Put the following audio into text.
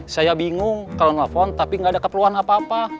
saya bingung kalau nelfon tapi nggak ada keperluan apa apa